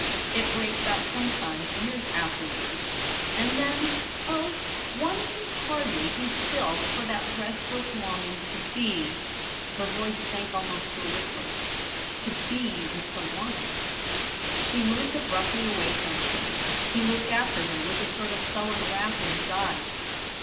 It breaks out sometimes years after wards ; and then — oh ! one can hardly be still for that restless longing to be '— her voice sank almost to a whisper —' to be with the She moved abruptly away from him. He looked after her with a sort of sullen wrath in his eyes.